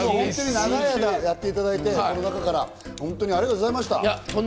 長い間やっていただいて、ありがとうございました。